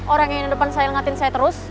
orang yang depan saya lengatin saya terus